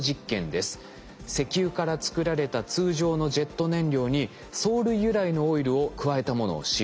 石油から作られた通常のジェット燃料に藻類由来のオイルを加えたものを使用。